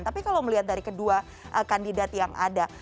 tapi kalau melihat dari kedua kandidat yang ada